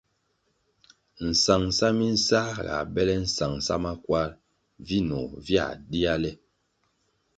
Nsangʼsa minsā ga bele nsangʼsa makwar, vinoh via dia le.